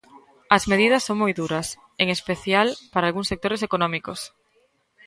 As medias son mi duras, en especial para algúns sectores económicos.